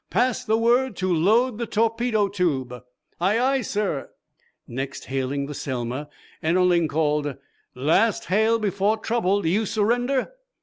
"Pass the word to load the torpedo tube." "Aye, aye, sir!" Next, hailing the "Selma," Ennerling called: "Last hail before trouble! Do you surrender?"